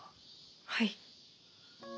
はい。